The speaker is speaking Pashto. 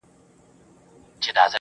وېريږي نه خو انگازه يې بله.